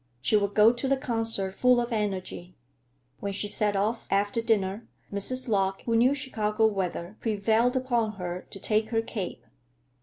She would go to the concert full of energy. When she set off, after dinner, Mrs. Lorch, who knew Chicago weather, prevailed upon her to take her cape.